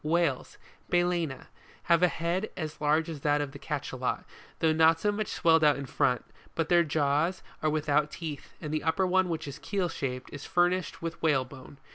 WHALES, MalcEna, have a head as large as that of the Cachalot, though not so much swelled out in front ; but their jaws are without teeth, and the upper one which is keel shaped, is fur nished with whalebone.